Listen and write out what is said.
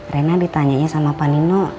rina ditanyanya sama pak nino